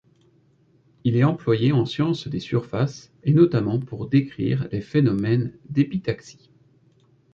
Il est employé en science des surfaces, et notamment pour décrire les phénomènes d'épitaxie.